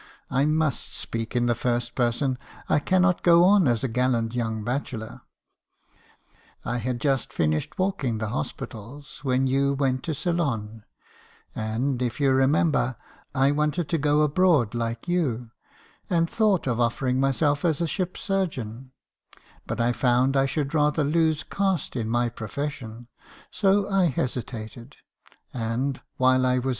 — I must speak in the first person ; I cannot go on as a gallant young bachelor. — I had just finished walking the hospitals when you went to Ceylon , and, if you remember, I wanted to go abroad like you, and thought of offering myself as a ship surgeon; but I found I should rather lose caste in my profession; so I hesitated, and, while I was 238 ur. haskison's confessions.